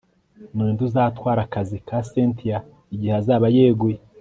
Ninde uzatwara akazi ka Cynthia igihe azaba yeguye